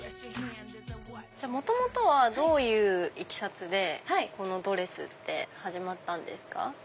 元々はどういういきさつでこのドレス始まったんですか？